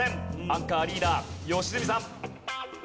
アンカーリーダー良純さん。